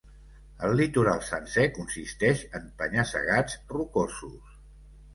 El litoral sencer consisteix en penya-segats rocosos.